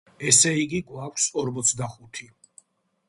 ესე იგი, გვაქვს ორმოცდახუთი.